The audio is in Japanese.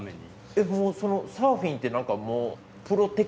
えっもうそのサーフィンってなんかもう。